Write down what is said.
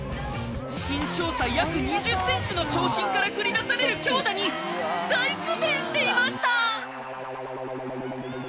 身長差約２０センチの長身から繰り出される強打に大苦戦していました！